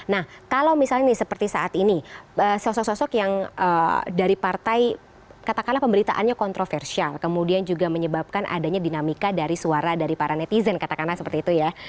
nah kalau misalnya seperti saat ini sosok sosok yang dari partai katakanlah pemberitaannya kontroversial kemudian juga menyebabkan adanya dinamika dari suara dari para netizen katakanlah seperti itu ya